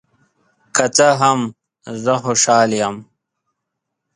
که څه هم، زه خوشحال یم.